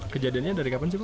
kejadiannya dari kapan cipu